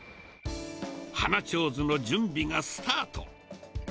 花ちょうずの準備がスタート。